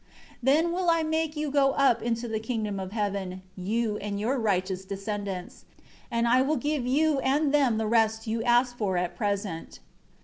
4 Then will I make you go up into the kingdom of heaven, you and your righteous descendants; and I will give you and them the rest you ask for at present.